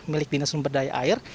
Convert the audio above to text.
milik dinasumber daya air